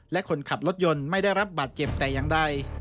และคนขับรถยนต์ไม่ได้รับบาดเจ็บแต่อย่างใด